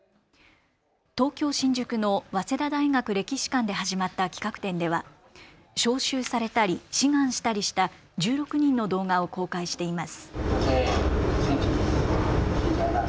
東京新宿の早稲田大学歴史館で始まった企画展では召集されたり志願したりした１６人の動画を公開しています。